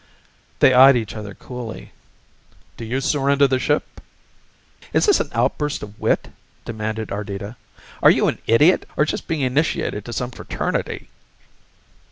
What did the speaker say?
They eyed each other coolly. "Do you surrender the ship?" "Is this an outburst of wit?" demanded Ardita. "Are you an idiot or just being initiated to some fraternity?"